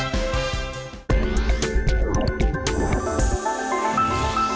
ขอบคุณครับ